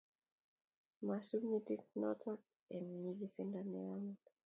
Masub metit not eng nigisindo nea amut